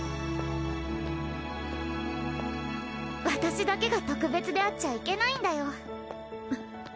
私だけが特別であっちゃいけないんだよ